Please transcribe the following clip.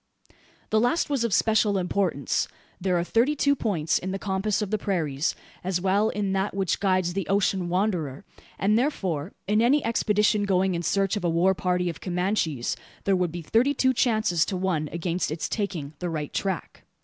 The last was of special importance. There are thirty two points in the compass of the prairies, as well as in that which guides the ocean wanderer; and, therefore, in any expedition going in search of a war party of Comanches, there would be thirty two chances to one against its taking the right track.